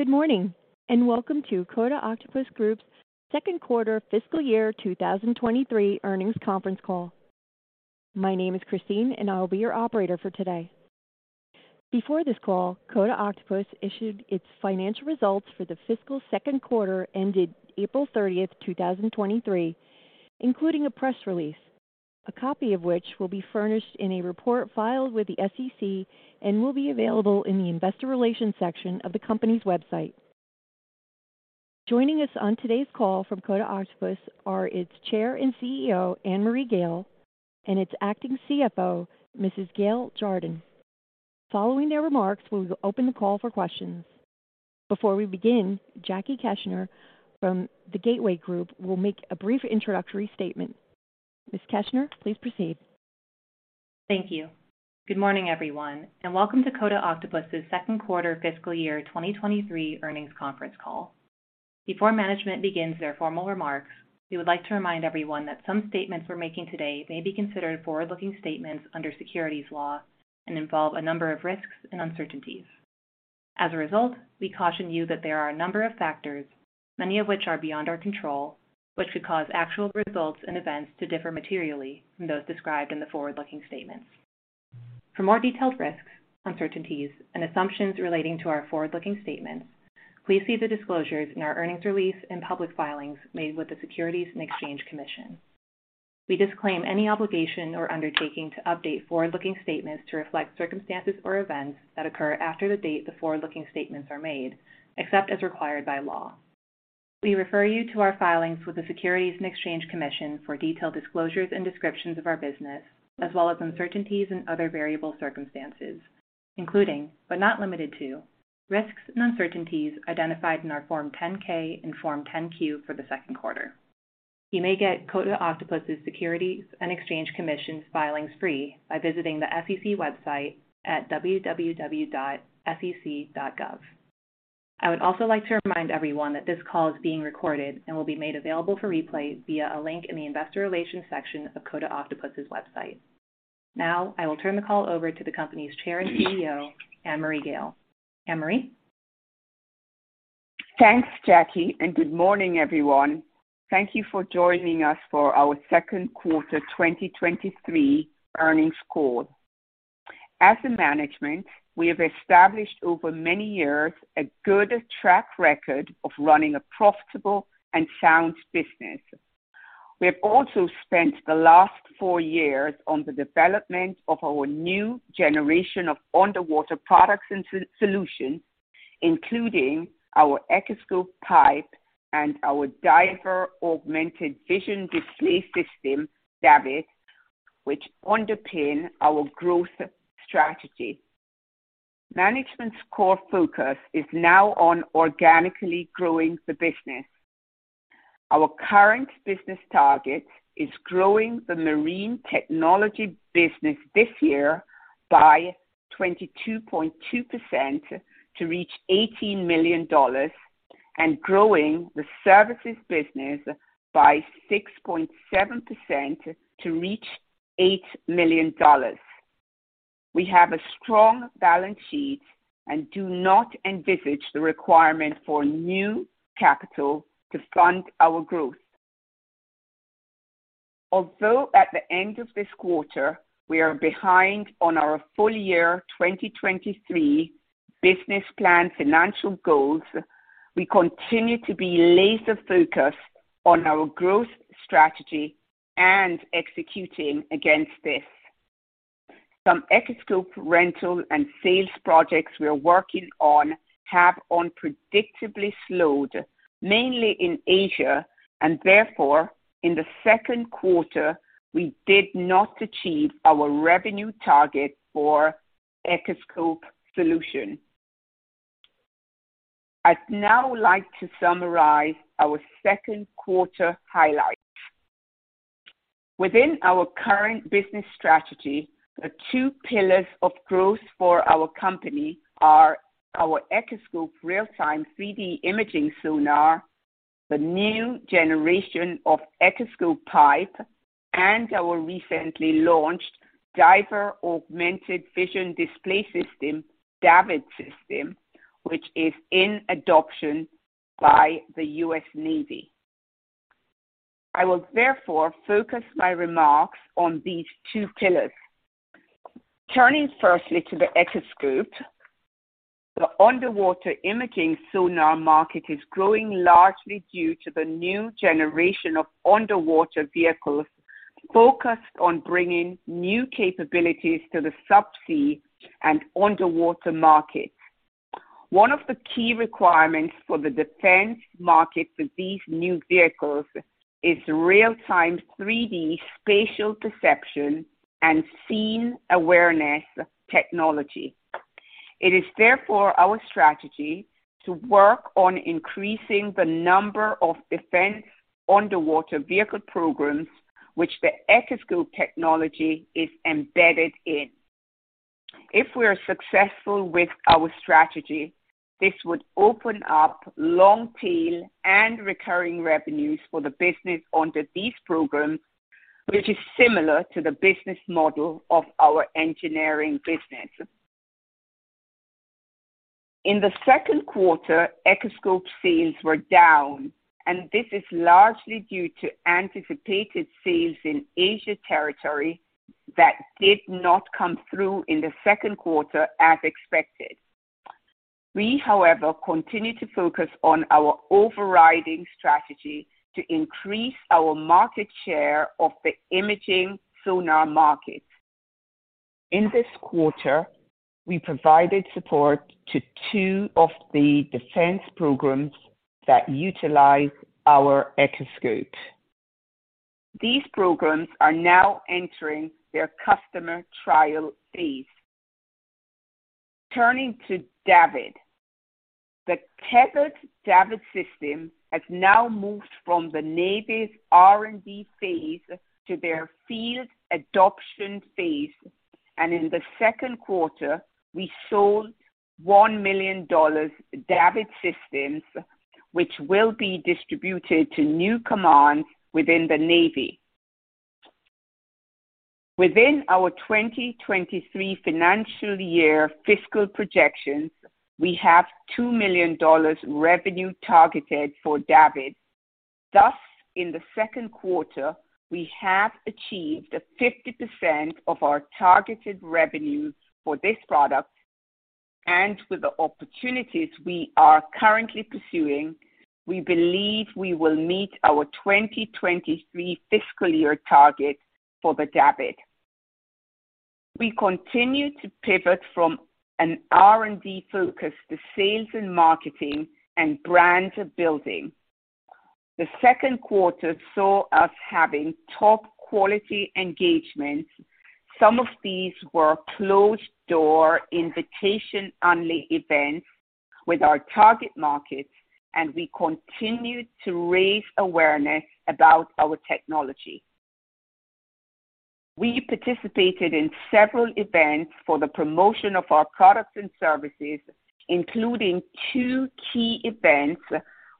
Good morning. Welcome to Coda Octopus Group's second quarter fiscal year 2023 earnings conference call. My name is Christine, and I'll be your operator for today. Before this call, Coda Octopus issued its financial results for the fiscal second quarter ended April 30th, 2023, including a press release, a copy of which will be furnished in a report filed with the SEC and will be available in the Investor Relations section of the company's website. Joining us on today's call from Coda Octopus are its Chair and CEO, Annmarie Gayle, and its acting CFO, Mrs. Gayle Jardine. Following their remarks, we will open the call for questions. Before we begin, Jackie Keshner from The Gateway Group will make a brief introductory statement. Ms. Keshner, please proceed. Thank you. Good morning, everyone, welcome to Coda Octopus's second quarter fiscal year 2023 earnings conference call. Before management begins their formal remarks, we would like to remind everyone that some statements we're making today may be considered forward-looking statements under securities law and involve a number of risks and uncertainties. As a result, we caution you that there are a number of factors, many of which are beyond our control, which could cause actual results and events to differ materially from those described in the forward-looking statements. For more detailed risks, uncertainties, and assumptions relating to our forward-looking statements, please see the disclosures in our earnings release and public filings made with the Securities and Exchange Commission. We disclaim any obligation or undertaking to update forward-looking statements to reflect circumstances or events that occur after the date the forward-looking statements are made, except as required by law. We refer you to our filings with the Securities and Exchange Commission for detailed disclosures and descriptions of our business, as well as uncertainties and other variable circumstances, including, but not limited to, risks and uncertainties identified in our Form 10-K and Form 10-Q for the second quarter. You may get Coda Octopus's Securities and Exchange Commission filings free by visiting the SEC website at www.sec.gov. I would also like to remind everyone that this call is being recorded and will be made available for replay via a link in the Investor Relations section of Coda Octopus's website. I will turn the call over to the company's Chair and CEO, Annmarie Gayle. Annmarie? Thanks, Jackie, and good morning, everyone. Thank you for joining us for our second quarter 2023 earnings call. As a management, we have established over many years a good track record of running a profitable and sound business. We have also spent the last four years on the development of our new generation of underwater products and so-solutions, including our Echoscope PIPE and our Diver Augmented Vision Display system, DAVD, which underpin our growth strategy. Management's core focus is now on organically growing the business. Our current business target is growing the marine technology business this year by 22.2% to reach $18 million and growing the services business by 6.7% to reach $8 million. We have a strong balance sheet and do not envisage the requirement for new capital to fund our growth. Although at the end of this quarter we are behind on our full year 2023 business plan financial goals, we continue to be laser-focused on our growth strategy and executing against this. Some Echoscope rental and sales projects we are working on have unpredictably slowed, mainly in Asia, and therefore, in the second quarter, we did not achieve our revenue target for Echoscope solution. I'd now like to summarize our second quarter highlights. Within our current business strategy, the two pillars of growth for our company are our Echoscope real-time 3D imaging sonar, the new generation of Echoscope PIPE, and our recently launched Diver Augmented Vision Display system, DAVD system, which is in adoption by the U.S. Navy. I will therefore focus my remarks on these two pillars. Turning firstly to the Echoscope, the underwater imaging sonar market is growing largely due to the new generation of underwater vehicles focused on bringing new capabilities to the subsea and underwater markets. One of the key requirements for the defense market for these new vehicles is real-time 3D spatial perception and scene awareness technology. It is therefore our strategy to work on increasing the number of defense underwater vehicle programs which the Echoscope technology is embedded in. If we are successful with our strategy, this would open up long tail and recurring revenues for the business under these programs, which is similar to the business model of our engineering business. In the second quarter, Echoscope sales were down, and this is largely due to anticipated sales in Asia territory that did not come through in the second quarter as expected. We, however, continue to focus on our overriding strategy to increase our market share of the imaging sonar market. In this quarter, we provided support to 2 of the defense programs that utilize our Echoscope. These programs are now entering their customer trial phase. Turning to DAVD. The tethered DAVD system has now moved from the Navy's R&D phase to their field adoption phase. In the second quarter, we sold $1 million DAVD systems, which will be distributed to new commands within the Navy. Within our 2023 financial year fiscal projections, we have $2 million revenue targeted for DAVD. In the second quarter, we have achieved 50% of our targeted revenues for this product. With the opportunities we are currently pursuing, we believe we will meet our 2023 fiscal year target for the DAVD. We continue to pivot from an R&D focus to sales and marketing and brand building. The second quarter saw us having top quality engagements. Some of these were closed-door, invitation-only events with our target markets, and we continued to raise awareness about our technology. We participated in several events for the promotion of our products and services, including two key events,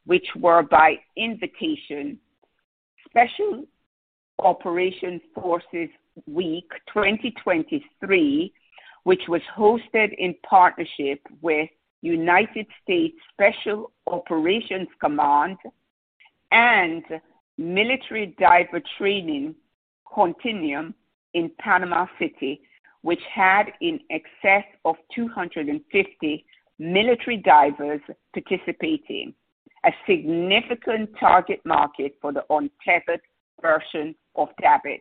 which were by invitation: Special Operations Forces Week 2023, which was hosted in partnership with United States Special Operations Command and Military Diver Training Continuum in Panama City, which had in excess of 250 military divers participating, a significant target market for the untethered version of DAVD.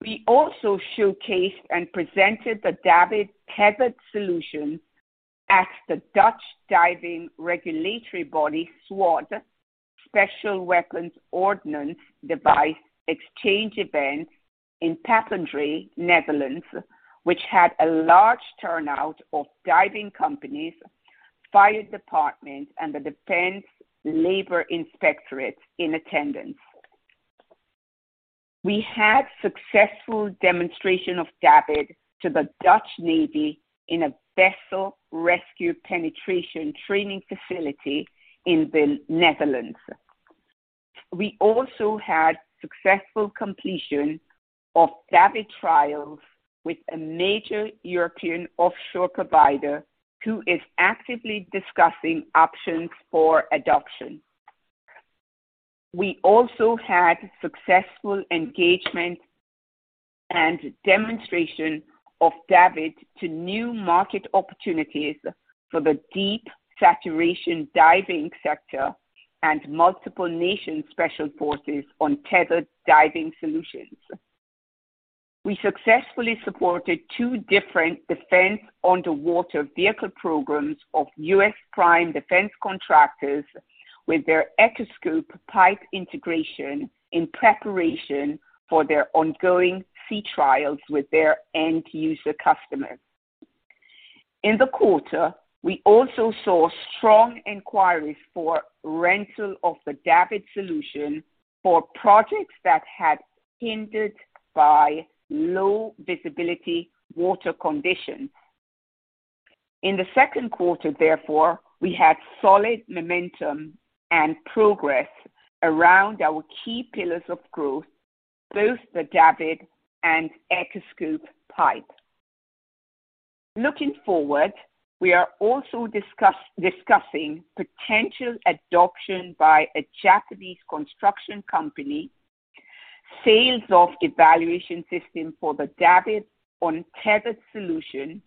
We also showcased and presented the DAVD tethered solution at the Dutch Diving Regulatory body, SWOD, Special Weapons Ordnance Device Exchange event in Papendrecht, Netherlands, which had a large turnout of diving companies, fire department, and the Defense Labor Inspectorate in attendance. We had successful demonstration of DAVD to the Royal Netherlands Navy in a vessel rescue penetration training facility in the Netherlands. We also had successful completion of DAVD trials with a major European offshore provider, who is actively discussing options for adoption. We also had successful engagement and demonstration of DAVD to new market opportunities for the deep saturation diving sector and multiple nation special forces on tethered diving solutions. We successfully supported two different defense underwater vehicle programs of U.S. prime defense contractors with their Echoscope PIPE integration in preparation for their ongoing sea trials with their end user customers. In the quarter, we also saw strong inquiries for rental of the DAVD solution for projects that had hindered by low visibility water conditions. In the second quarter, therefore, we had solid momentum and progress around our key pillars of growth, both the DAVD and Echoscope PIPE. Looking forward, we are also discussing potential adoption by a Japanese construction company, sales of evaluation system for the DAVD on tethered solution,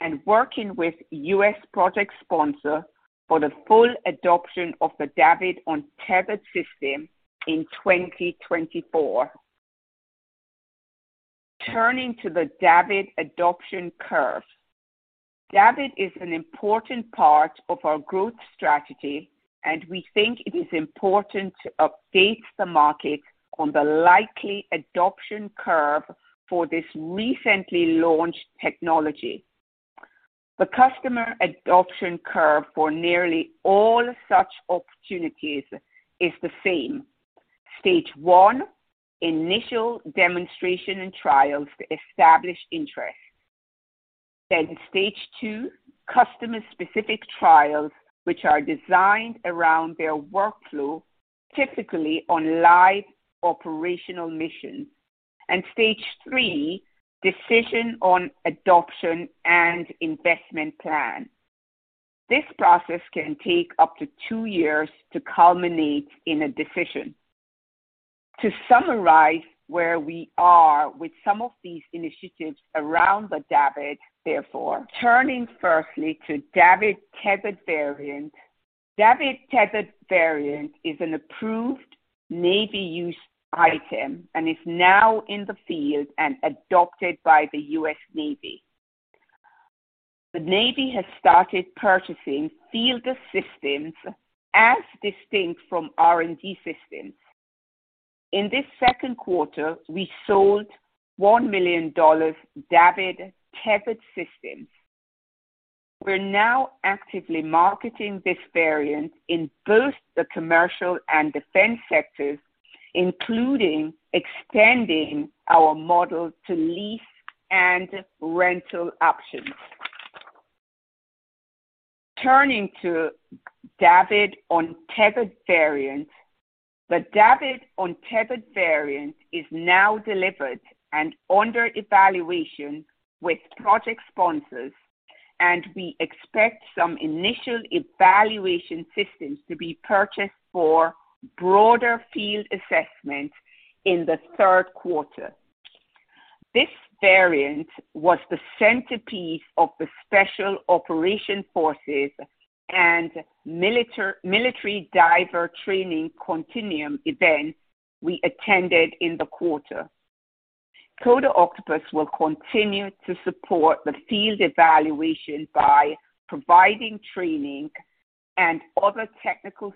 and working with U.S. project sponsor for the full adoption of the DAVD on tethered system in 2024. Turning to the DAVD adoption curve. DAVD is an important part of our growth strategy, and we think it is important to update the market on the likely adoption curve for this recently launched technology. The customer adoption curve for nearly all such opportunities is the same. Stage 1, initial demonstration and trials to establish interest.... Stage two, customer-specific trials, which are designed around their workflow, typically on live operational missions. Stage three, decision on adoption and investment plan. This process can take up to two years to culminate in a decision. To summarize where we are with some of these initiatives around the DAVD, therefore, turning firstly to DAVD tethered variant. DAVD tethered variant is an approved Navy-use item and is now in the field and adopted by the U.S. Navy. The Navy has started purchasing field systems as distinct from R&D systems. In this second quarter, we sold $1 million DAVD tethered systems. We're now actively marketing this variant in both the commercial and defense sectors, including extending our model to lease and rental options. Turning to DAVD untethered variant. The DAVD untethered variant is now delivered and under evaluation with project sponsors, and we expect some initial evaluation systems to be purchased for broader field assessment in the third quarter. This variant was the centerpiece of the Special Operations Forces and Military Diver Training Continuum event we attended in the quarter. Coda Octopus will continue to support the field evaluation by providing training and other technical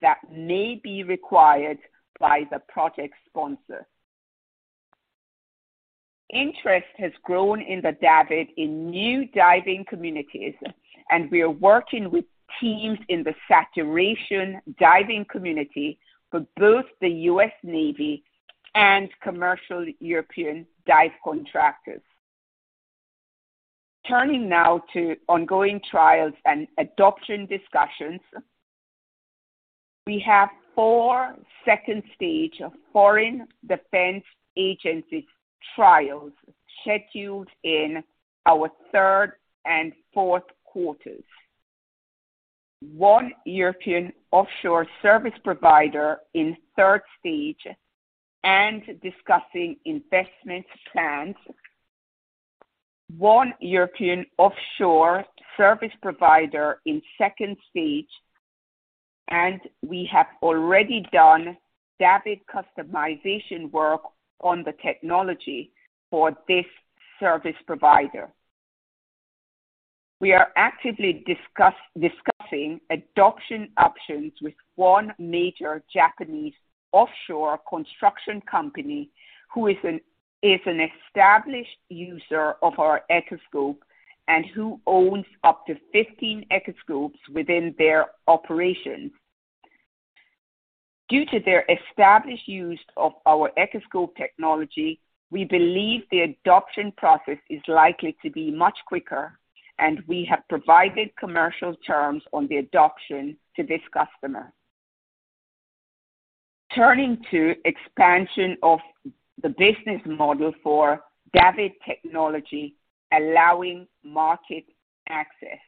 support that may be required by the project sponsor. Interest has grown in the DAVD in new diving communities, and we are working with teams in the saturation diving community for both the U.S. Navy and commercial European dive contractors. Turning now to ongoing trials and adoption discussions. We have 4 second stage foreign defense agencies trials scheduled in our third and fourth quarters. 1 European offshore service provider in third stage and discussing investment plans. One European offshore service provider in second stage, and we have already done DAVD customization work on the technology for this service provider. We are actively discussing adoption options with one major Japanese offshore construction company, who is an established user of our Echoscope and who owns up to 15 Echoscopes within their operations. Due to their established use of our Echoscope technology, we believe the adoption process is likely to be much quicker, and we have provided commercial terms on the adoption to this customer. Turning to expansion of the business model for DAVD technology, allowing market access.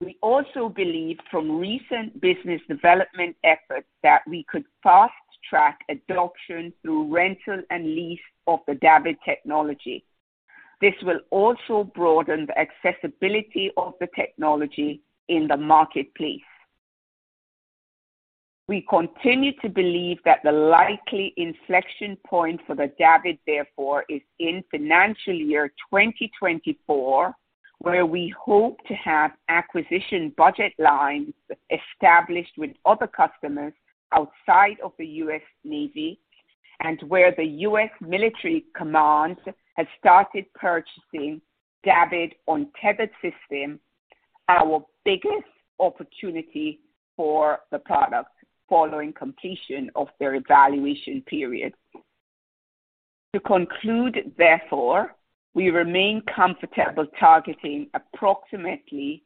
We also believe from recent business development efforts that we could fast-track adoption through rental and lease of the DAVD technology. This will also broaden the accessibility of the technology in the marketplace. We continue to believe that the likely inflection point for the DAVD, therefore, is in financial year 2024, where we hope to have acquisition budget lines established with other customers outside of the U.S. Navy, and where the U.S. military command has started purchasing DAVD untethered system, our biggest opportunity for the product following completion of their evaluation period. To conclude, therefore, we remain comfortable targeting approximately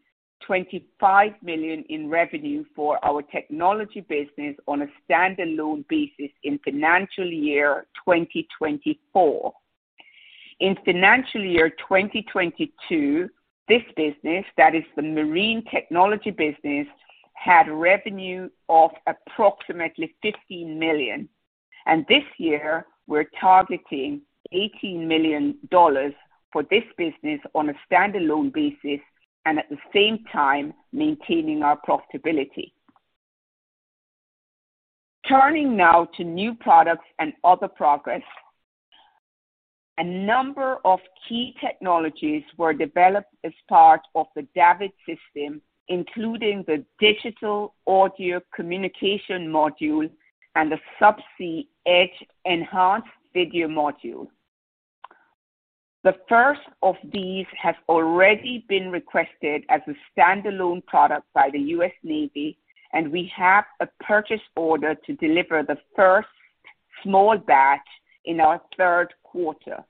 $25 million in revenue for our technology business on a standalone basis in financial year 2024. In financial year 2022, this business, that is the marine technology business, had revenue of approximately $15 million. This year we're targeting $18 million for this business on a standalone basis and at the same time maintaining our profitability. Turning now to new products and other progress. A number of key technologies were developed as part of the DAVD system, including the digital audio communication module and the subsea edge enhanced video module. The first of these have already been requested as a standalone product by the U.S. Navy, and we have a purchase order to deliver the small batch in our third quarter.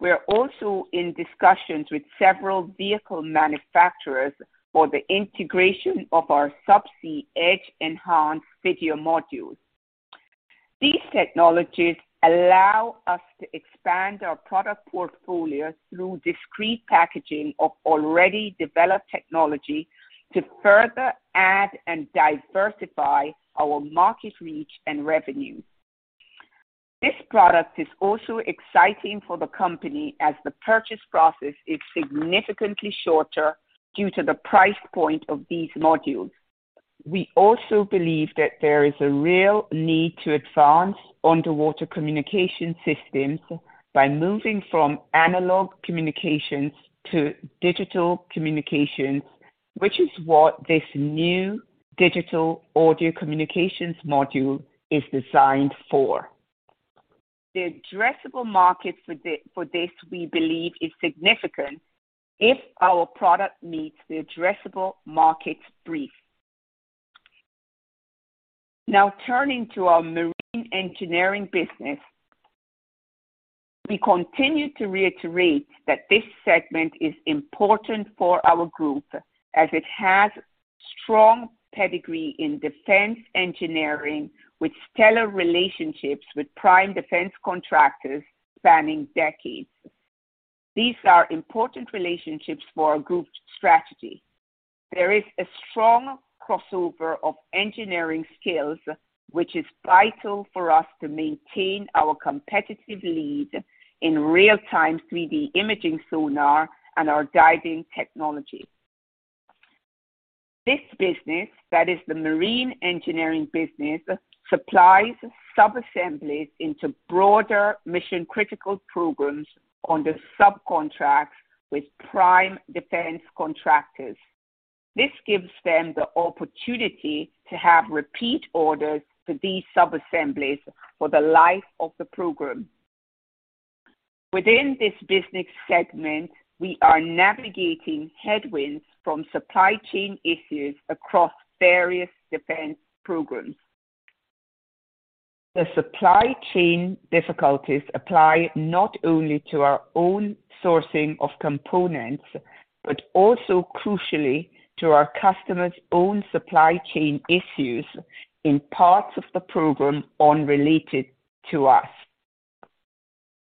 We're also in discussions with several vehicle manufacturers for the integration of our Subsea Edge-enhanced video modules. These technologies allow us to expand our product portfolio through discrete packaging of already developed technology, to further add and diversify our market reach and revenue. This product is also exciting for the company as the purchase process is significantly shorter due to the price point of these modules. We also believe that there is a real need to advance underwater communication systems by moving from analog communications to digital communications, which is what this new digital audio communications module is designed for. The addressable market for this, we believe, is significant if our product meets the addressable market brief. Turning to our marine engineering business. We continue to reiterate that this segment is important for our group as it has strong pedigree in defense engineering, with stellar relationships with prime defense contractors spanning decades. These are important relationships for our group's strategy. There is a strong crossover of engineering skills, which is vital for us to maintain our competitive lead in real-time 3D imaging sonar and our diving technology. This business, that is the marine engineering business, supplies subassemblies into broader mission-critical programs under subcontracts with prime defense contractors. This gives them the opportunity to have repeat orders for these subassemblies for the life of the program. Within this business segment, we are navigating headwinds from supply chain issues across various defense programs. The supply chain difficulties apply not only to our own sourcing of components, but also crucially to our customers' own supply chain issues in parts of the program unrelated to us.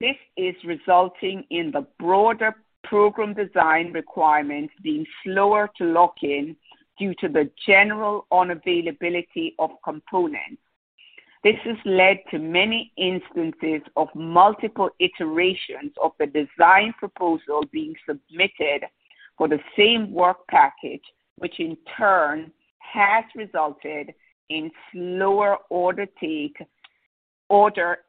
This is resulting in the broader program design requirements being slower to lock in due to the general unavailability of components. This has led to many instances of multiple iterations of the design proposal being submitted for the same work package, which in turn has resulted in slower order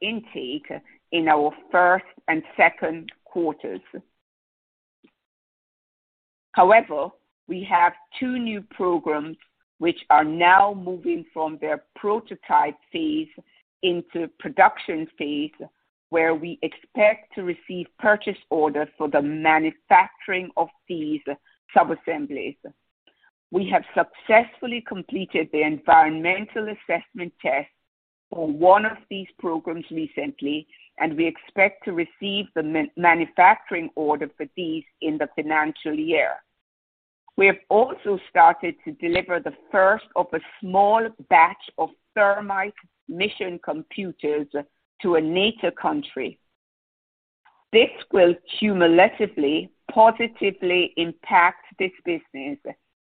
intake in our first and second quarters. We have 2 new programs which are now moving from their prototype phase into production phase, where we expect to receive purchase orders for the manufacturing of these subassemblies. We have successfully completed the environmental assessment tests for 1 of these programs recently, and we expect to receive the manufacturing order for these in the financial year. We have also started to deliver the first of a small batch of Thermite mission computers to a NATO country. This will cumulatively positively impact this business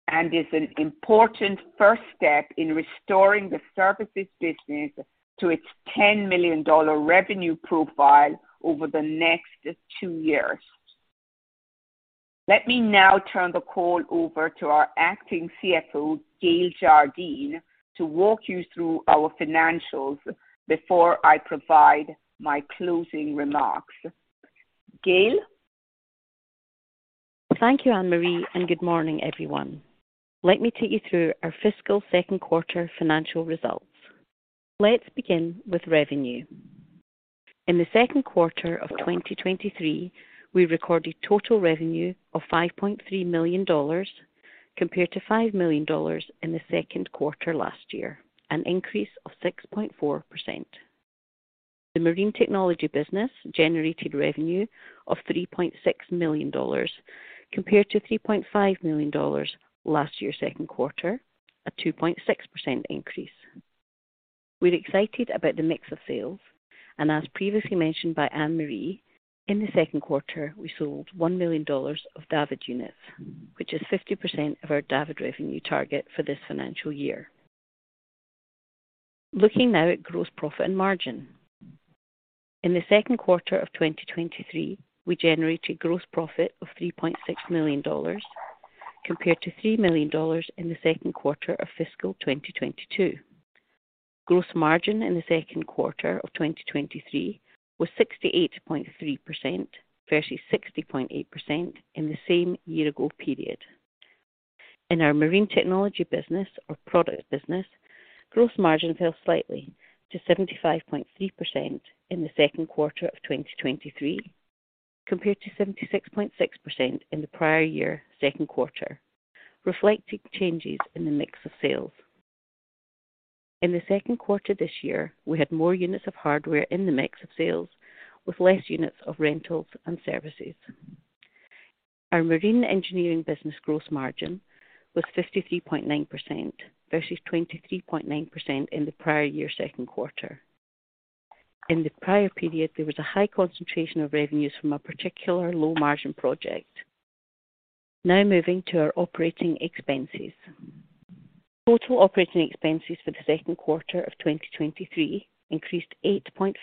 and is an important first step in restoring the services business to its $10 million revenue profile over the next 2 years. Let me now turn the call over to our acting CFO, Gayle Jardine, to walk you through our financials before I provide my closing remarks. Gayle? Thank you, Annmarie, good morning, everyone. Let me take you through our fiscal second quarter financial results. Let's begin with revenue. In the second quarter of 2023, we recorded total revenue of $5.3 million, compared to $5 million in the second quarter last year, an increase of 6.4%. The marine technology business generated revenue of $3.6 million, compared to $3.5 million last year's second quarter, a 2.6% increase. We're excited about the mix of sales, and as previously mentioned by Annmarie, in the second quarter, we sold $1 million of DAVD units, which is 50% of our DAVD revenue target for this financial year. Looking now at gross profit and margin. In the second quarter of 2023, we generated gross profit of $3.6 million, compared to $3 million in the second quarter of fiscal 2022. Gross margin in the second quarter of 2023 was 68.3% versus 60.8% in the same year-ago period. In our marine technology business or product business, gross margin fell slightly to 75.3% in the second quarter of 2023. Compared to 76.6% in the prior year second quarter, reflecting changes in the mix of sales. In the second quarter this year, we had more units of hardware in the mix of sales, with less units of rentals and services. Our marine engineering business gross margin was 53.9%, versus 23.9% in the prior year second quarter. In the prior period, there was a high concentration of revenues from a particular low-margin project. Moving to our operating expenses. Total operating expenses for the second quarter of 2023 increased 8.5%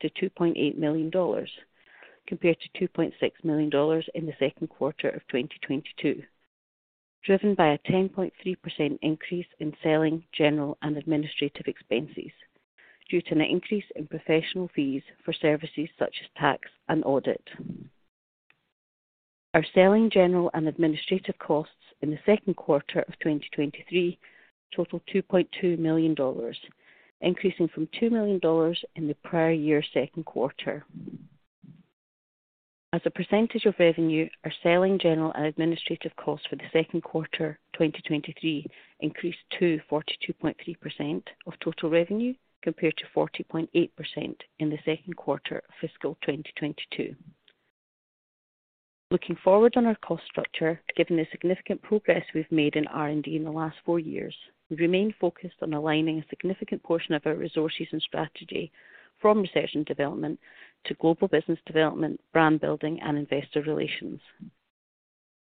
to $2.8 million, compared to $2.6 million in the second quarter of 2022, driven by a 10.3% increase in selling, general, and administrative expenses due to an increase in professional fees for services such as tax and audit. Our selling, general, and administrative costs in the second quarter of 2023 totaled $2.2 million, increasing from $2 million in the prior year's second quarter. As a percentage of revenue, our selling, general, and administrative costs for the second quarter 2023 increased to 42.3% of total revenue, compared to 40.8% in the second quarter of fiscal 2022. Looking forward on our cost structure, given the significant progress we've made in R&D in the last four years, we remain focused on aligning a significant portion of our resources and strategy from research and development to global business development, brand building, and investor relations.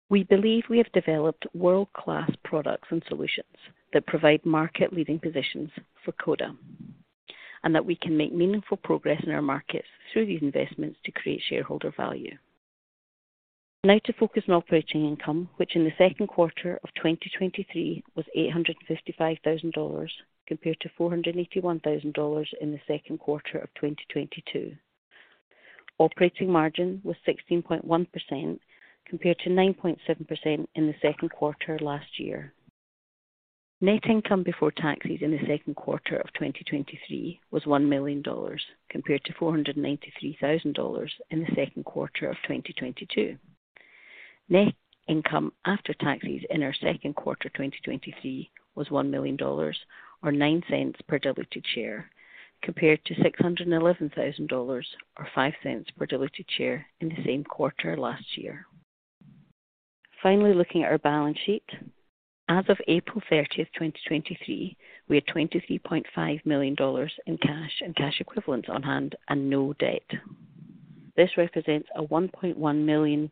We believe we have developed world-class products and solutions that provide market-leading positions for Coda, and that we can make meaningful progress in our markets through these investments to create shareholder value. To focus on operating income, which in the second quarter of 2023 was $855,000, compared to $481,000 in the second quarter of 2022. Operating margin was 16.1%, compared to 9.7% in the second quarter last year. Net income before taxes in the second quarter of 2023 was $1 million, compared to $493,000 in the second quarter of 2022. Net income after taxes in our second quarter 2023 was $1 million or $0.09 per diluted share, compared to $611,000 or $0.05 per diluted share in the same quarter last year. Finally, looking at our balance sheet. As of April 30th, 2023, we had $23.5 million in cash and cash equivalents on hand and no debt. This represents a $1.1 million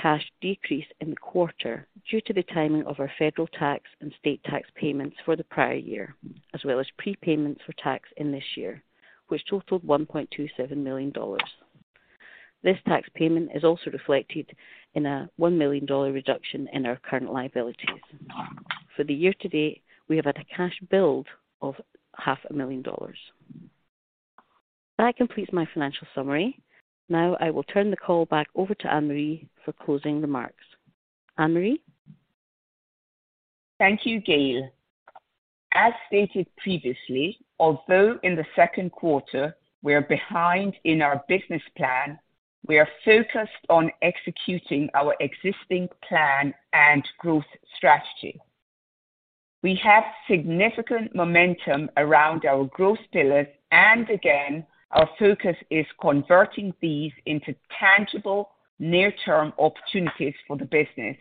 cash decrease in the quarter due to the timing of our federal tax and state tax payments for the prior year, as well as prepayments for tax in this year, which totaled $1.27 million. This tax payment is also reflected in a $1 million reduction in our current liabilities. For the year to date, we have had a cash build of half a million dollars. That completes my financial summary. I will turn the call back over to Annmarie for closing remarks. Annmarie? Thank you, Gayle. As stated previously, although in the second quarter we are behind in our business plan, we are focused on executing our existing plan and growth strategy. We have significant momentum around our growth pillars and again, our focus is converting these into tangible, near-term opportunities for the business.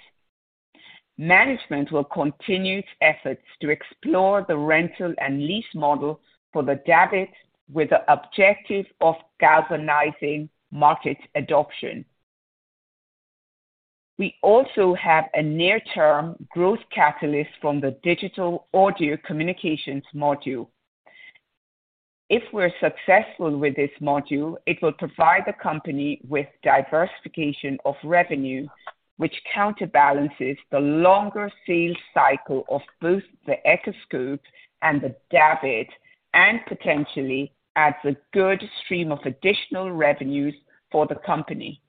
Management will continue efforts to explore the rental and lease model for the DAVD with the objective of galvanizing market adoption. We also have a near-term growth catalyst from the digital audio communications module. If we're successful with this module, it will provide the company with diversification of revenue, which counterbalances the longer sales cycle of both the Echoscope and the DAVD, and potentially adds a good stream of additional revenues for the company.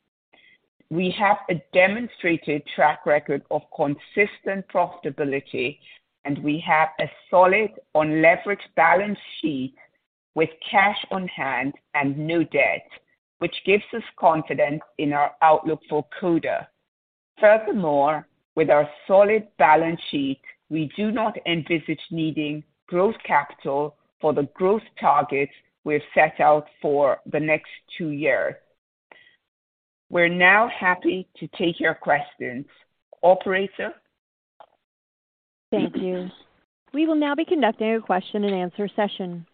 We have a demonstrated track record of consistent profitability, and we have a solid unleveraged balance sheet with cash on hand and no debt, which gives us confidence in our outlook for Coda. Furthermore, with our solid balance sheet, we do not envisage needing growth capital for the growth targets we've set out for the next two years. We're now happy to take your questions. Operator? Thank you. We will now be conducting a question-and-answer session.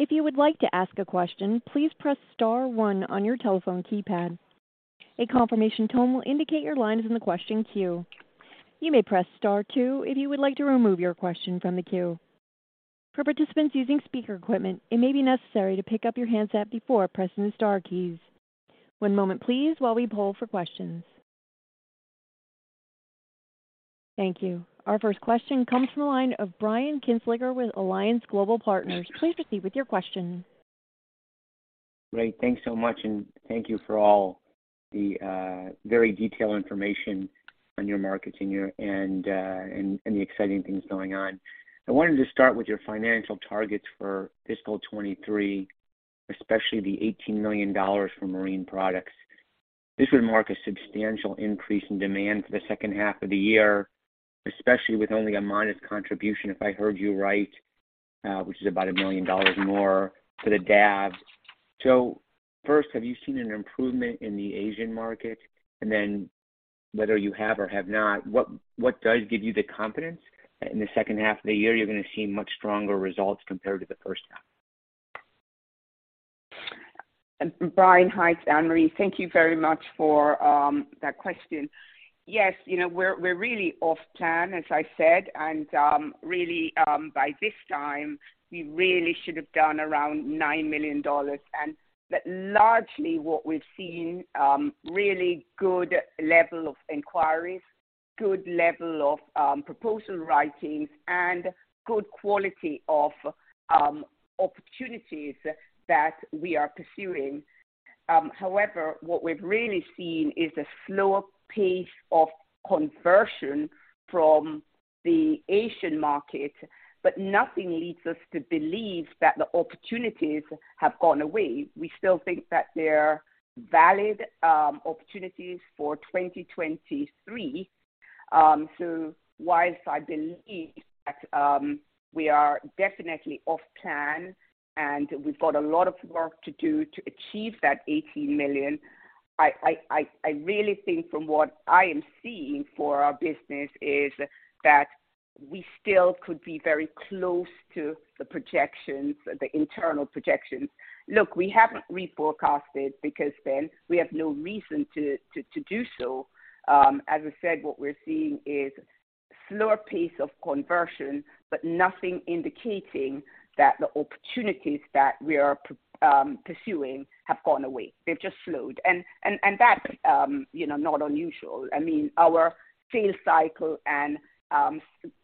If you would like to ask a question, please press star one on your telephone keypad. A confirmation tone will indicate your line is in the question queue. You may press star two if you would like to remove your question from the queue. For participants using speaker equipment, it may be necessary to pick up your handset before pressing the star keys. One moment please while we poll for questions. Thank you. Our first question comes from the line of Brian Kinstlinger with Alliance Global Partners. Please proceed with your question. Great. Thanks so much, and thank you for all-... the very detailed information on your markets in your and the exciting things going on. I wanted to start with your financial targets for fiscal 2023, especially the $18 million for marine products. This would mark a substantial increase in demand for the second half of the year, especially with only a minus contribution, if I heard you right, which is about $1 million more for the DAB. First, have you seen an improvement in the Asian market? Then, whether you have or have not, what does give you the confidence that in the second half of the year, you're gonna see much stronger results compared to the first half? Brian, hi, it's Annmarie. Thank you very much for that question. Yes, you know, we're really off plan, as I said, and really, by this time, we really should have done around $9 million. Largely what we've seen, really good level of inquiries, good level of proposal writings, and good quality of opportunities that we are pursuing. However, what we've really seen is a slower pace of conversion from the Asian market, but nothing leads us to believe that the opportunities have gone away. We still think that they're valid opportunities for 2023. Whilst I believe that, we are definitely off plan, and we've got a lot of work to do to achieve that $18 million, I really think from what I am seeing for our business is that we still could be very close to the projections, the internal projections. Look, we haven't reforecasted because then we have no reason to do so. As I said, what we're seeing is a slower pace of conversion, but nothing indicating that the opportunities that we are pursuing have gone away. They've just slowed. And that's, you know, not unusual. I mean, our sales cycle and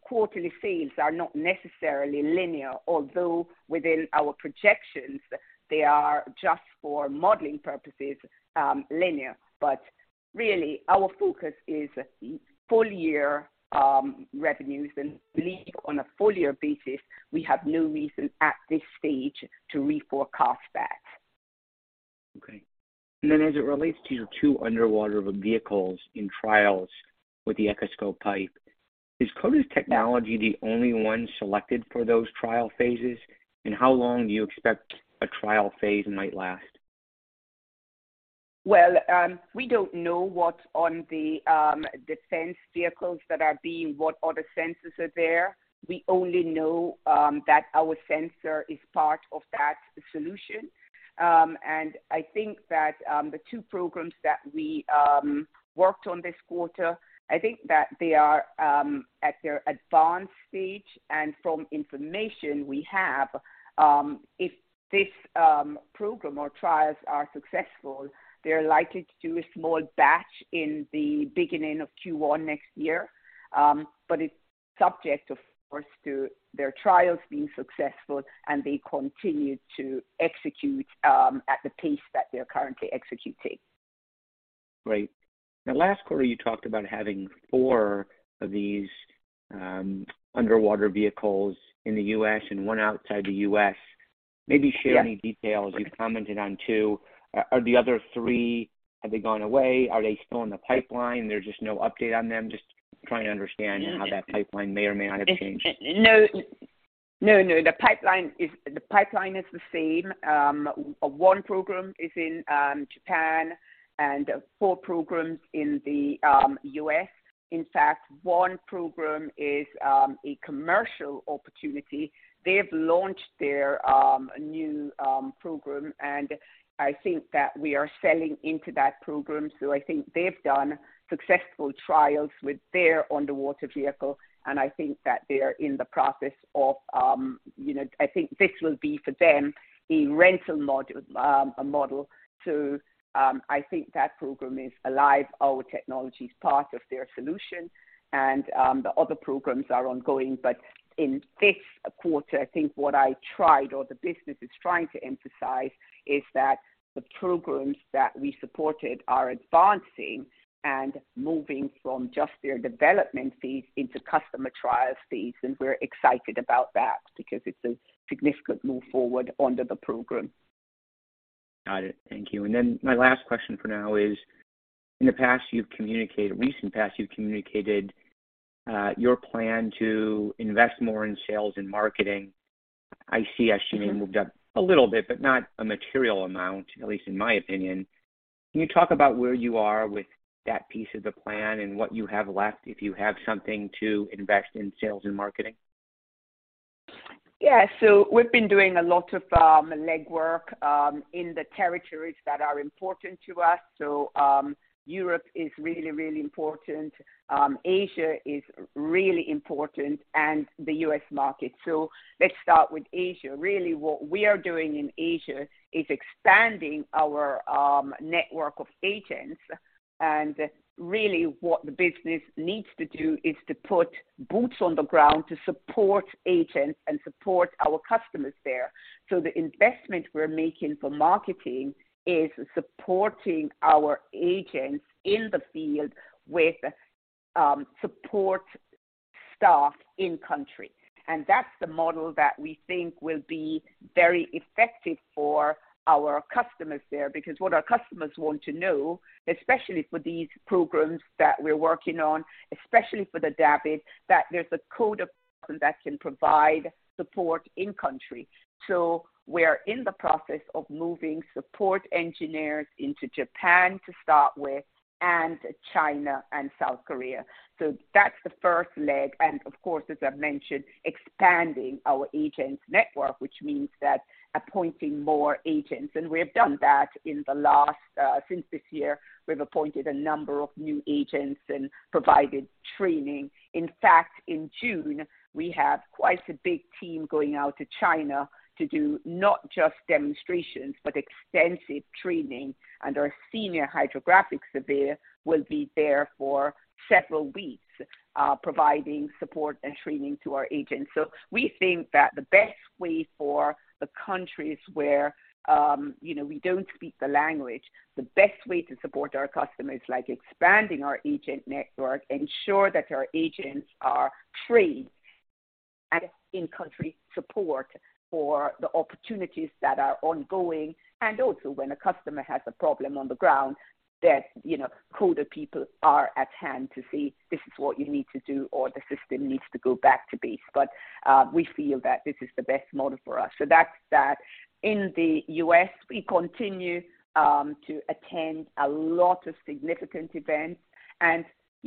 quarterly sales are not necessarily linear, although within our projections, they are just for modeling purposes, linear. Really, our focus is full year revenues, and believe on a full year basis, we have no reason at this stage to reforecast that. Okay. As it relates to your two underwater vehicles in trials with the Echoscope PIPE, is Coda's technology the only one selected for those trial phases? How long do you expect a trial phase might last? Well, we don't know what's on the defense vehicles that are being what other sensors are there. We only know that our sensor is part of that solution. I think that the two programs that we worked on this quarter, I think that they are at their advanced stage. From information we have, if this program or trials are successful, they're likely to do a small batch in the beginning of Q1 next year. It's subject, of course, to their trials being successful, and they continue to execute at the pace that they're currently executing. Great. Last quarter, you talked about having 4 of these underwater vehicles in the U.S. and 1 outside the U.S. Yes. Maybe share any details. You've commented on 2. Are the other 3? Have they gone away? Are they still in the pipeline? There's just no update on them. Just trying to understand how that pipeline may or may not have changed. No. No, no, the pipeline is the same. One program is in Japan and four programs in the U.S. In fact, one program is a commercial opportunity. They have launched their new program. I think that we are selling into that program. I think they've done successful trials with their underwater vehicle, and I think that they are in the process of, you know. I think this will be for them, a rental module model. I think that program is alive. Our technology is part of their solution, and the other programs are ongoing. In this quarter, I think what I tried or the business is trying to emphasize is that the programs that we supported are advancing and moving from just their development phase into customer trial phase. We're excited about that because it's a significant move forward under the program. My last question for now is: in the past, you've communicated, recent past, you've communicated your plan to invest more in sales and marketing. I see SG&A moved up a little bit, but not a material amount, at least in my opinion. Can you talk about where you are with that piece of the plan and what you have left, if you have something to invest in sales and marketing? Yeah. We've been doing a lot of legwork in the territories that are important to us. Europe is really, really important, Asia is really important and the U.S. market. Let's start with Asia. Really, what we are doing in Asia is expanding our network of agents. Really, what the business needs to do is to put boots on the ground to support agents and support our customers there. The investment we're making for marketing is supporting our agents in the field with staff in country. That's the model that we think will be very effective for our customers there. Because what our customers want to know, especially for these programs that we're working on, especially for the DAVD, that there's a Coda person that can provide support in country. We're in the process of moving support engineers into Japan to start with, and China and South Korea. That's the first leg, and of course, as I've mentioned, expanding our agent network, which means that appointing more agents, and we have done that in the last since this year, we've appointed a number of new agents and provided training. In fact, in June, we have quite a big team going out to China to do not just demonstrations, but extensive training. Our senior hydrographics Surveyor will be there for several weeks, providing support and training to our agents. We think that the best way for the countries where, you know, we don't speak the language, the best way to support our customers, like, expanding our agent network, ensure that our agents are trained and in-country support for the opportunities that are ongoing. Also, when a customer has a problem on the ground, that, you know, who the people are at hand to say, "This is what you need to do," or, "The system needs to go back to base." We feel that this is the best model for us. That's that. In the U.S., we continue to attend a lot of significant events.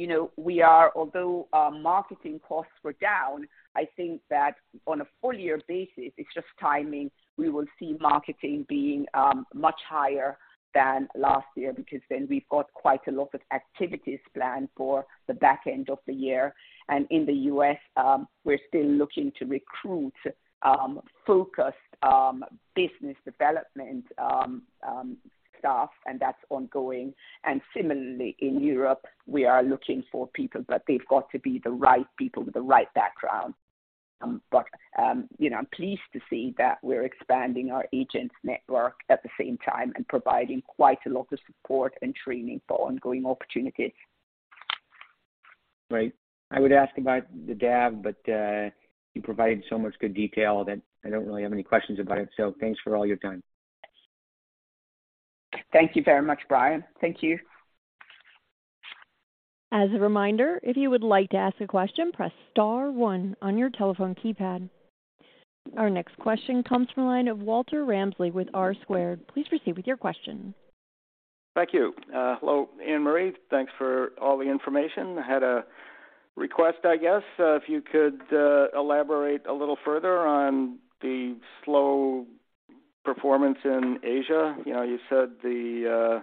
You know, we are, although our marketing costs were down, I think that on a full year basis, it's just timing. We will see marketing being much higher than last year, because then we've got quite a lot of activities planned for the back end of the year. In the U.S., we're still looking to recruit focused business development staff, and that's ongoing. Similarly, in Europe, we are looking for people, but they've got to be the right people with the right background. You know, I'm pleased to see that we're expanding our agents network at the same time and providing quite a lot of support and training for ongoing opportunities. Great. I would ask about the DAVD, but you provided so much good detail that I don't really have any questions about it, so thanks for all your time. Thank you very much, Brian. Thank you. As a reminder, if you would like to ask a question, press star one on your telephone keypad. Our next question comes from the line of Walter Ramsley, with R.F. Lafferty. Please proceed with your question. Thank you. Hello, Annmarie Gayle. Thanks for all the information. I had a request, I guess. If you could elaborate a little further on the slow performance in Asia. You know, you said the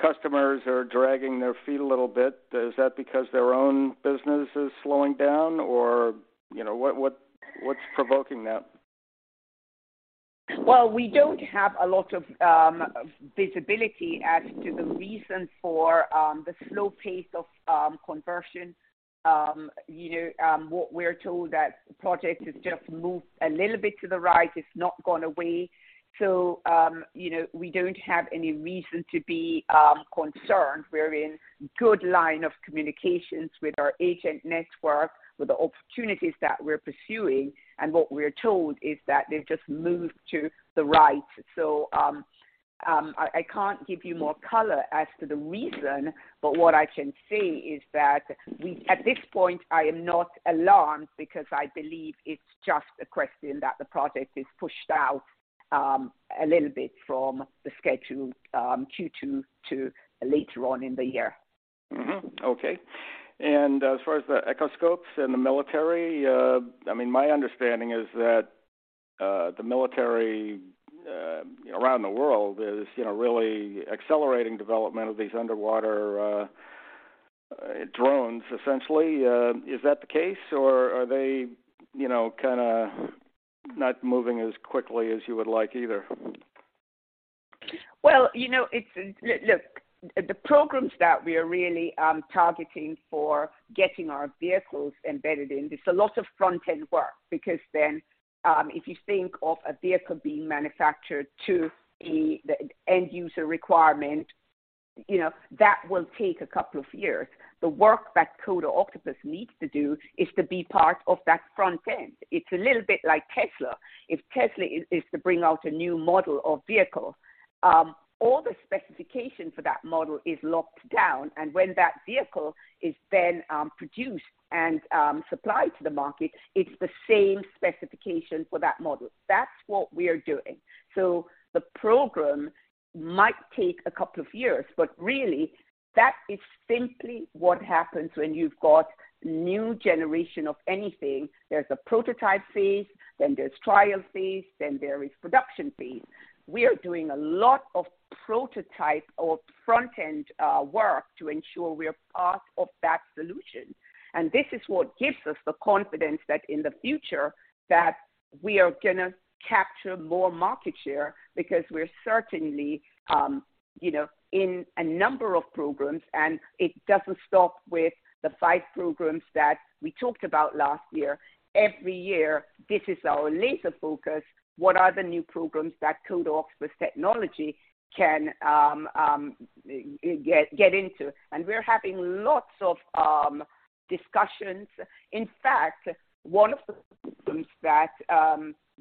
customers are dragging their feet a little bit. Is that because their own business is slowing down, or you know, what's provoking that? We don't have a lot of visibility as to the reason for the slow pace of conversion. You know, what we're told that the project has just moved a little bit to the right. It's not gone away. You know, we don't have any reason to be concerned. We're in good line of communications with our agent network, with the opportunities that we're pursuing, and what we're told is that they've just moved to the right. I can't give you more color as to the reason, but what I can say is that at this point, I am not alarmed, because I believe it's just a question that the project is pushed out a little bit from the schedule, Q2 to later on in the year. Okay. As far as the Echoscope and the military, I mean, my understanding is that, the military, around the world is, you know, really accelerating development of these underwater, drones essentially. Is that the case, or are they, you know, kinda not moving as quickly as you would like either? Well, you know, look, the programs that we are really targeting for getting our vehicles embedded in, there's a lot of front-end work, because then, if you think of a vehicle being manufactured to the end user requirement, you know, that will take a couple of years. The work that Coda Octopus needs to do is to be part of that front end. It's a little bit like Tesla. If Tesla is to bring out a new model or vehicle, all the specification for that model is locked down, and when that vehicle is then produced and supplied to the market, it's the same specification for that model. That's what we're doing. The program might take a couple of years, but really, that is simply what happens when you've got new generation of anything. There's a prototype phase, then there's trial phase, then there is production phase. We are doing a lot of prototype or front-end work to ensure we are part of that solution. This is what gives us the confidence that in the future, that we are gonna capture more market share, because we're certainly, you know, in a number of programs, and it doesn't stop with the 5 programs that we talked about last year. Every year, this is our laser focus. What are the new programs that Coda Octopus technology can get into? We're having lots of discussions. In fact, one of the programs that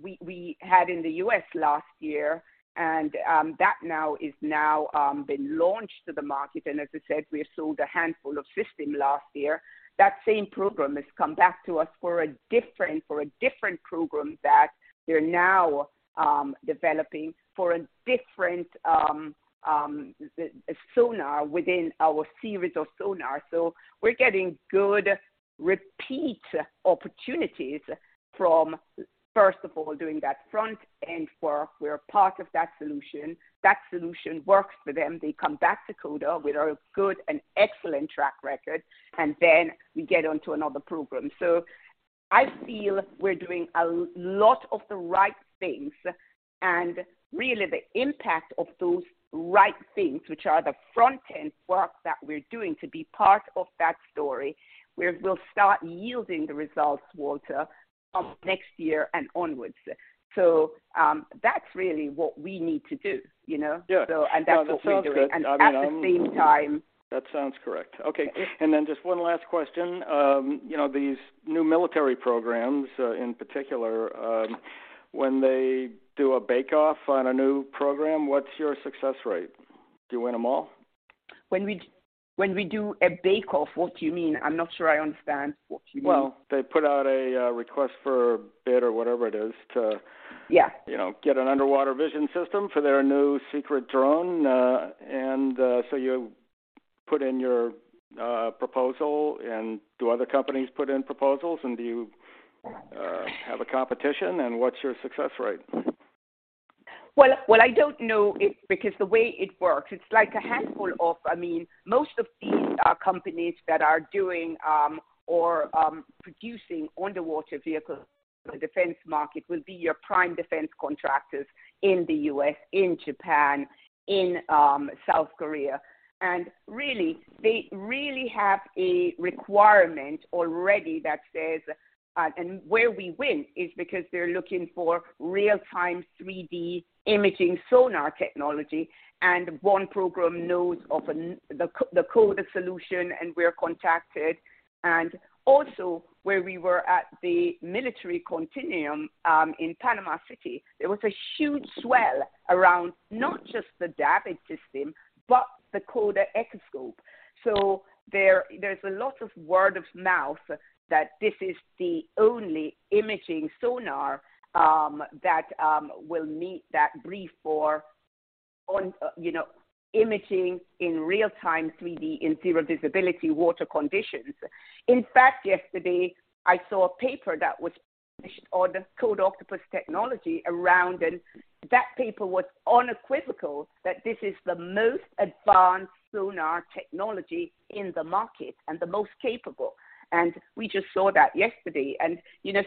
we had in the U.S. last year, and that now is now been launched to the market, and as I said, we sold a handful of systems last year. That same program has come back to us for a different program that they're now developing for a different sonar within our series of sonar. We're getting good repeat opportunities from, first of all, doing that front-end work. We're part of that solution. That solution works for them. They come back to Coda with a good and excellent track record, we get on to another program. I feel we're doing a lot of the right things. Really, the impact of those right things, which are the front-end work that we're doing to be part of that story, where we'll start yielding the results, Walter, of next year and onwards. That's really what we need to do, you know? Yeah. That's the service, and at the same time- That sounds correct. Okay. Just 1 last question. you know, these new military programs, in particular, when they do a bake off on a new program, what's your success rate? Do you win them all? When we do a bake off, what do you mean? I'm not sure I understand what you mean. Well, they put out a request for bid or whatever it is. Yeah you know, get an underwater vision system for their new secret drone, and so you put in your proposal, and do other companies put in proposals, and do you have a competition, and what's your success rate? Well, I don't know it because the way it works, it's like a handful of... I mean, most of these companies that are doing or producing underwater vehicles, the defense market will be your prime defense contractors in the U.S., in Japan, in South Korea. Really, they really have a requirement already that says, and where we win is because they're looking for real-time 3D imaging sonar technology, and one program knows of the Coda solution, and we're contacted. Also, where we were at the Military continuum in Panama City, there was a huge swell around not just the DAVD system but the Coda Echoscope. There's a lot of word of mouth that this is the only imaging sonar that will meet that brief for, on, you know, imaging in real-time 3D in zero visibility water conditions. In fact, yesterday, I saw a paper that was published on the Coda Octopus technology around. That paper was unequivocal that this is the most advanced sonar technology in the market and the most capable. We just saw that yesterday. You know,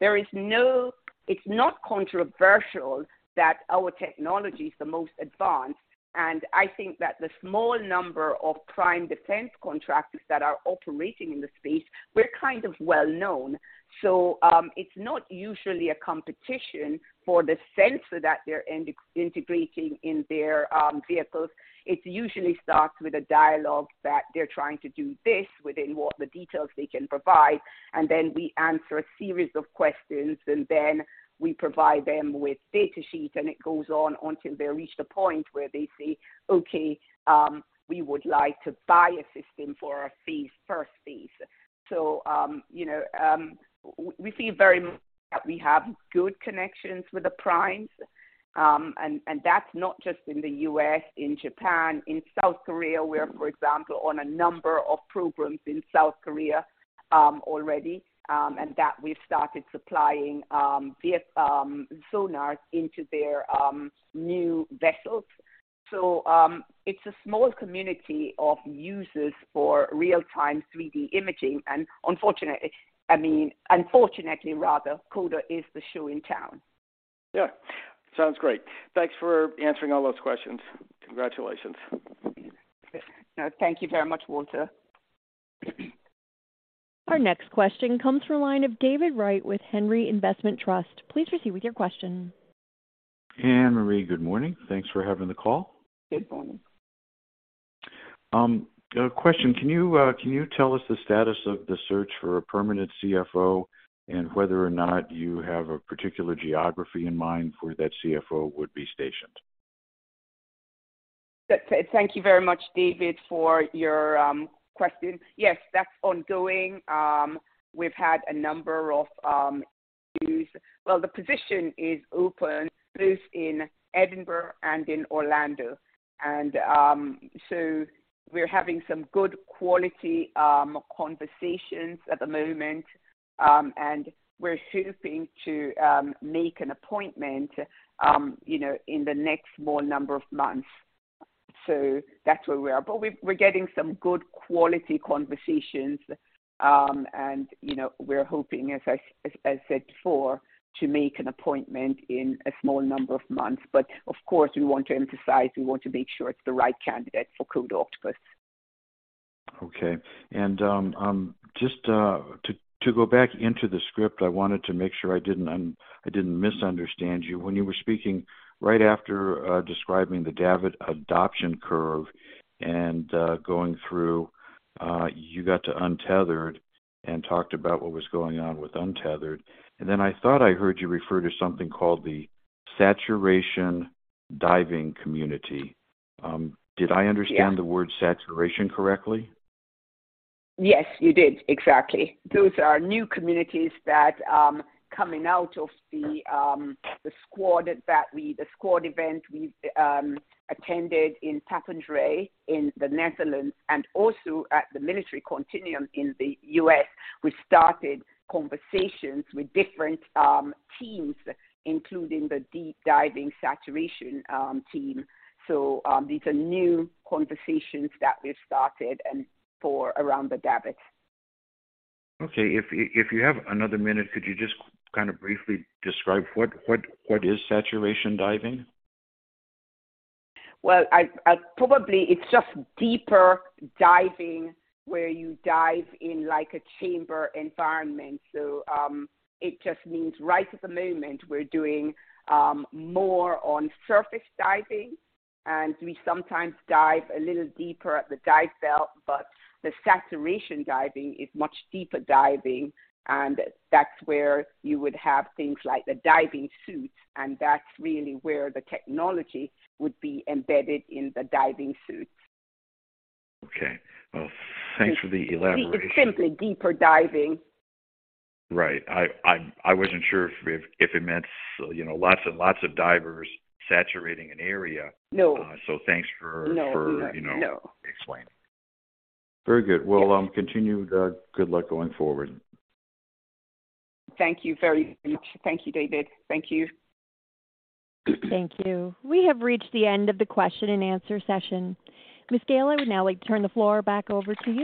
there is no, it's not controversial that our technology is the most advanced, and I think that the small number of prime defense contractors that are operating in the space, we're kind of well known. It's not usually a competition for the sensor that they're integrating in their vehicles. It usually starts with a dialogue that they're trying to do this within what the details they can provide, and then we answer a series of questions, and then we provide them with data sheet, and it goes on until they reach the point where they say, "Okay, we would like to buy a system for a phase, first phase." You know, we see very that we have good connections with the primes. That's not just in the U.S., in Japan, in South Korea, where, for example, on a number of programs in South Korea, already, and that we've started supplying, via, sonars into their, new vessels. It's a small community of users for real-time 3D imaging, and unfortunately, I mean, unfortunately, rather, Coda is the show in town. Yeah. Sounds great. Thanks for answering all those questions. Congratulations. No, thank you very much, Walter. Our next question comes from line of David Wright with Henry Investment Trust. Please proceed with your question. Annmarie, good morning. Thanks for having the call. Good morning. A question, can you tell us the status of the search for a permanent CFO and whether or not you have a particular geography in mind for that CFO would be stationed? Thank you very much, David, for your question. Yes, that's ongoing. We've had a number of views. Well, the position is open, both in Edinburgh and in Orlando. We're having some good quality conversations at the moment. We're hoping to make an appointment, you know, in the next small number of months. That's where we are. We're getting some good quality conversations, and, you know, we're hoping, as I said before, to make an appointment in a small number of months. Of course, we want to emphasize, we want to make sure it's the right candidate for Coda Octopus. Okay. Just, to go back into the script, I wanted to make sure I didn't misunderstand you. When you were speaking right after, describing the DAVD adoption curve and, going through, you got to untethered and talked about what was going on with untethered. Then I thought I heard you refer to something called the saturation diving community. Did I understand? Yeah the word saturation correctly? Yes, you did, exactly. Those are new communities that, coming out of the SWOD event we attended in Papendrecht, in the Netherlands, and also at the Military Continuum in the U.S., we started conversations with different teams, including the deep diving saturation team. These are new conversations that we've started and for around the DAVD. Okay. If you have another minute, could you just kind of briefly describe what is saturation diving? Probably it's just deeper diving, where you dive in like a chamber environment. It just means right at the moment, we're doing more on surface diving. We sometimes dive a little deeper at the dive bell. The saturation diving is much deeper diving. That's where you would have things like the diving suits. That's really where the technology would be embedded in the diving suits. Okay. Well, thanks for the elaboration. It's simply deeper diving. Right. I wasn't sure if it meant, you know, lots and lots of divers saturating an area. No. thanks for- No for, you know... No explaining. Very good. Yeah. Well, continue, good luck going forward. Thank you very much. Thank you, David. Thank you. Thank you. We have reached the end of the question and answer session. Ms. Gayle, I would now like to turn the floor back over to you.